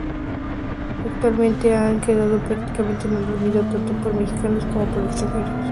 Actualmente han quedado prácticamente en el olvido tanto por mexicanos como por extranjeros.